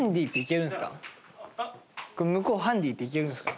向こうハンディっていけるんですか？